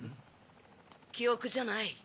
記憶じゃない。